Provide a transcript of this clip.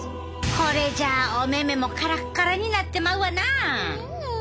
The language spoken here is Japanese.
これじゃお目々もカラッカラになってまうわな。